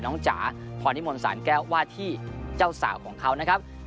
จ๋าพรนิมนต์สารแก้วว่าที่เจ้าสาวของเขานะครับ